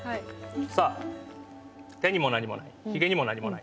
さあ手にも何もないヒゲにも何もない。